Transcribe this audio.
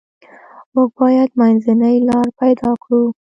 موږ باید منځنۍ لار پیدا کړو.